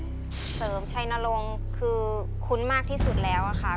คุณเสริมชัยนรงค์คือคุ้นมากที่สุดแล้วค่ะ